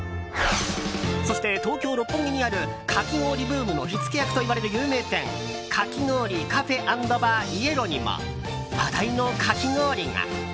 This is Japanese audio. そして東京・六本木にあるかき氷ブームの火付け役といわれる有名店ＫＡＫＩＧＯＲＩＣＡＦＥ＆ＢＡＲｙｅｌｏにも話題のかき氷が。